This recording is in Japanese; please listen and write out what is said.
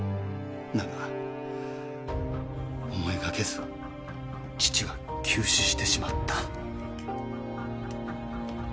だが思いがけず父が急死してしまった。